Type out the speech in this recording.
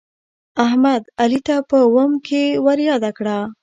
احمد، علي ته په اوم کې ورياده کړه.